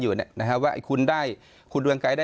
อยู่เนี่ยนะครับว่าคุณได้คุณเรือนใกล้ได้